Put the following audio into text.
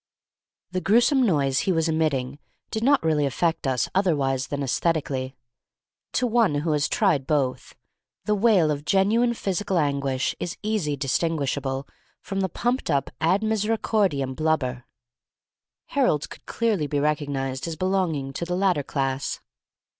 The gruesome noise he was emitting did not really affect us otherwise than aesthetically. To one who has tried both, the wail of genuine physical anguish is easy distinguishable from the pumped up ad misericordiam blubber. Harold's could clearly be recognised as belonging to the latter class.